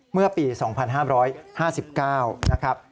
เมื่อปี๒๕๕๙นะครับ